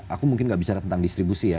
aku mungkin gak bicara tentang distribusi ya